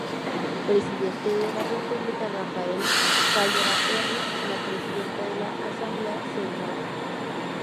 Presidente de la República Rafael Caldera R., la Presidenta de la Asamblea Sra.